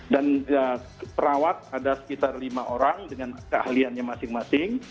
dan perawat ada sekitar lima orang dengan keahliannya masing masing